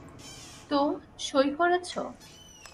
তো, সঁই করেছ?